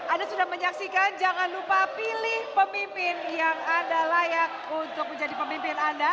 anda sudah menyaksikan jangan lupa pilih pemimpin yang anda layak untuk menjadi pemimpin anda